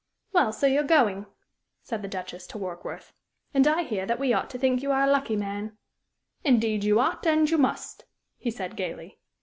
"Well, so you're going," said the Duchess, to Warkworth. "And I hear that we ought to think you a lucky man." "Indeed you ought, and you must," he said, gayly.